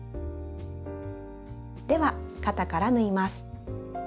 では肩から縫います。